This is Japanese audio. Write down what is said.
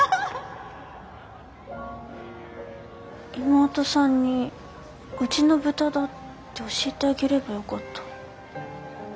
妹さんにうちの豚だって教えてあげればよかった。